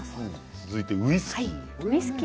続いてウイスキー。